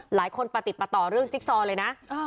ประติดประต่อเรื่องจิ๊กซอเลยนะ